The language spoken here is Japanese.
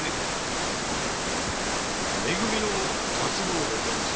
「め組」の辰五郎でございます。